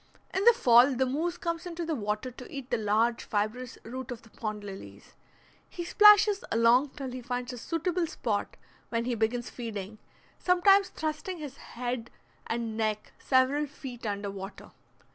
In the fall the moose comes into the water to eat the large fibrous roots of the pond lilies. He splashes along till he finds a suitable spot, when he begins feeding, sometimes thrusting his bead and neck several feet under water.